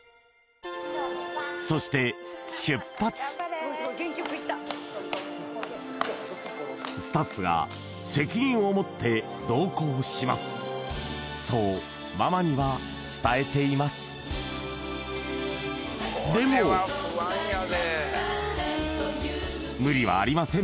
そしてスタッフが責任を持って同行しますそうママには伝えていますでも無理はありません